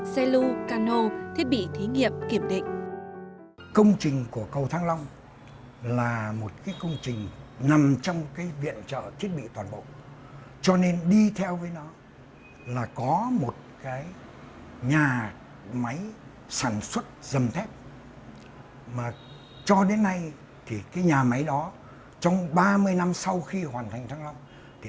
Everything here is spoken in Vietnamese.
xe lưu cano thiết bị thí nghiệm kiểm định